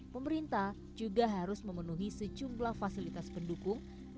pemerintah juga harus memenuhi sejumlah fasilitas pendukung